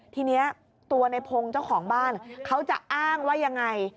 ทีนี้ตัวในพงศ์เจ้าของบ้านเขาจะอ้างว่ายังไง